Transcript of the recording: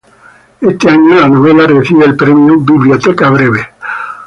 Ese año la novela recibió el premio Biblioteca Breve.